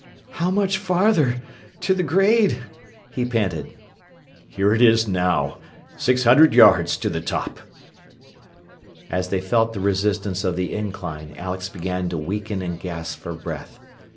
"How much farther ... to the grade?" he panted. "Here it is now. Six hundred yards to the top." As they felt the resistance of the incline Alex began to weaken and gasp for breath.